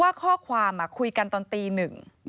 ข้อความคุยกันตอนตีหนึ่ง